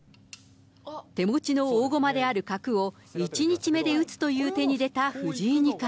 手持ちの大駒である角を１日目で打つという手に出た藤井二冠。